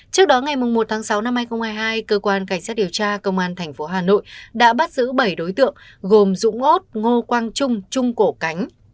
trước đó ngày một tháng sáu năm hai nghìn hai mươi hai cơ quan cảnh sát điều tra công an tp hà nội đã bắt giữ bảy đối tượng gồm dũng ốt ngô quang trung trung cổ cánh